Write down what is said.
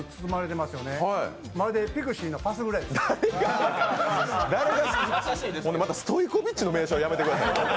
またストイコビッチの名称はやめてください。